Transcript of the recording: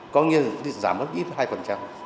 có nghĩa là giá mất ít hai